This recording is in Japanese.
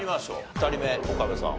２人目岡部さん